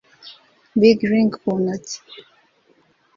Big ring ku ntoki